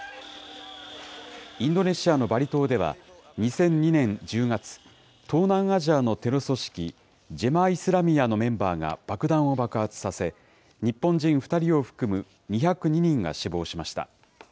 インドネシアのバリ島では、２００２年１０月、東南アジアのテロ組織、ジェマ・イスラミアのメンバーが爆弾を爆発させ、日本人２人を含む２０２人が死亡しました。